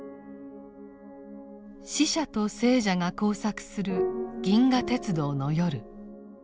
死者と生者が交錯する「銀河鉄道の夜」。